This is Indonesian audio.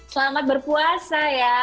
selamat berpuasa ya